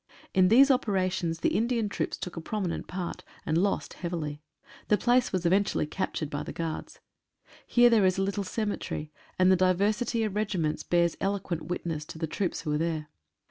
In these opera tions the Indian troops took . a prominent part, and lost heavily. The place was eventually captured by the Guards. Here there is a little cemetery, and the diver sity of regiments bears eloquent witness to the troops who were there.